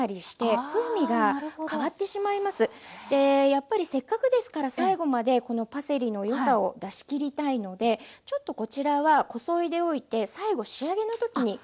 やっぱりせっかくですから最後までこのパセリの良さを出し切りたいのでちょっとこちらはこそいでおいて最後仕上げの時に加えていきたいと思います。